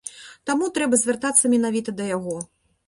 Таму трэба звяртацца менавіта да яго.